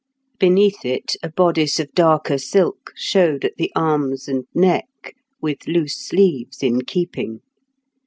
Beneath it, a bodice of darker silk showed at the arms and neck, with loose sleeves in keeping.